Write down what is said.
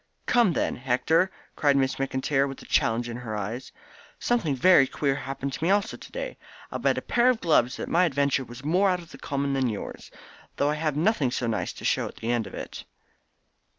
"Come, then, Hector," cried Miss McIntyre with a challenge in her eyes. "Something very queer happened to me also to day. I'll bet a pair of gloves that my adventure was more out of the common than yours, though I have nothing so nice to show at the end of it."